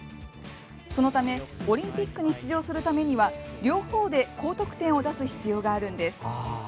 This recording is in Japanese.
そのためオリンピックに出場するためには両方で高得点を出す必要があるんです。